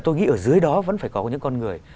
tôi nghĩ ở dưới đó vẫn phải có những con người